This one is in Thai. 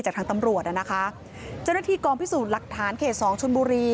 จากทางตำรวจอ่ะนะคะเจ้าหน้าที่กองพิสูจน์หลักฐานเขตสองชนบุรี